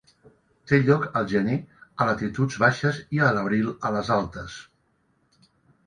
Té lloc al gener a latituds baixes i a l'abril a les altes.